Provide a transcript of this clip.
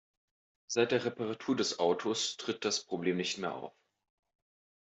Seit der Reparatur des Autos tritt das Problem nicht mehr auf.